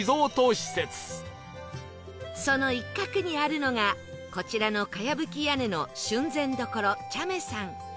その一角にあるのがこちらのかやぶき屋根の旬膳処茶目さん